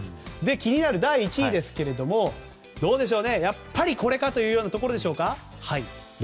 気になる第１位ですがやっぱりこれかというところでしょうかね。